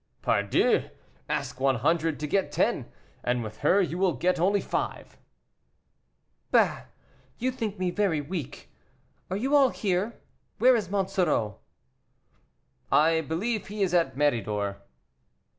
"Pardieu, ask one hundred to get ten, and with her you will only get five." "Bah! you think me very weak. Are you all here? Where is Monsoreau?" "I believe he is at Méridor."